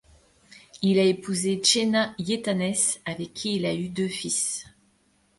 Il a épousé Genna Yaitanes, avec qui il a eu deux fils.